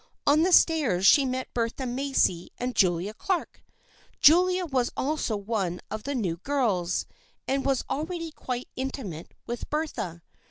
On the stairs she met Bertha Macy and Julia Clark. Julia was also one of the new girls, and was already quite intimate with Bertha.